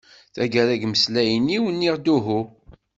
Taggara deg imeslayen-iw, nniɣ-d uhu.